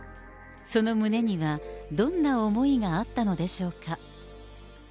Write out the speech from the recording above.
その胸には、どんな思いがあったのでしょうか。